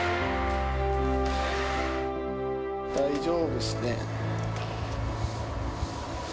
大丈夫ですね。